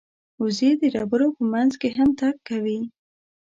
وزې د ډبرو په منځ کې هم تګ کوي